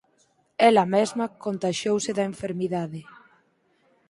Ela mesma contaxiouse da enfermidade.